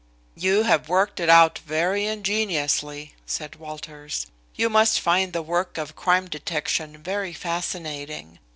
"You have worked it out very ingeniously," said Walters. "You must find the work of crime detection very fascinating.